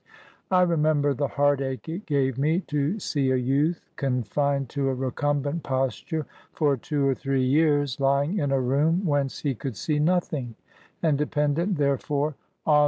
I remember the heart ache it gave me to see a youth, confined to a recumbent posture for two or three years, lying in a room whence he could see nothing, and dependent therefore on 44 Bsskys.